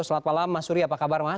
selamat malam mas suri apa kabar mas